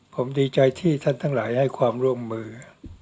ผมดีใจที่ท่านทั้งหลายให้ความร่วมมือ